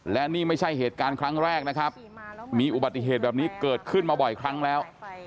และนี่ไม่ใช่เหตุการณ์ครั้งแรกนะครับมีอุบัติเหตุแบบนี้เกิดขึ้นมาบ่อยครั้งแล้ว